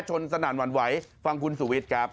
สนั่นหวั่นไหวฟังคุณสุวิทย์ครับ